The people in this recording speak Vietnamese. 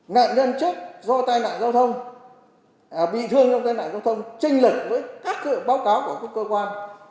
nạn nhân chết do tai nạn giao thông bị thương trong tai nạn giao thông tranh lệch với các báo cáo của các cơ quan